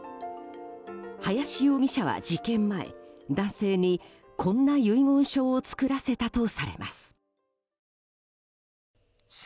林容疑者は事件前、男性にこんな遺言書を作らせたとされます。